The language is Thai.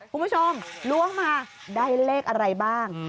คุณผู้ชมล้วงมาได้เลขอะไรบ้าง